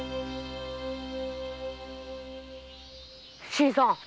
新さん